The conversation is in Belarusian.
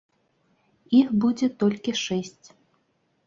Іх будзе толькі шэсць.